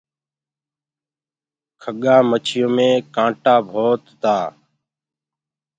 کڳآ مڇيو مي ڪآنٽآ ڀوت تآ۔